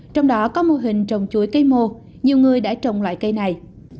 trong đó có mô hình trồng chuối cây mô nhiều người đã trồng loại cây này